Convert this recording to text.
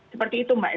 seperti itu mbak eva